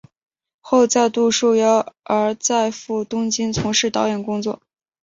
后再度受邀而再赴东京从事导演工作。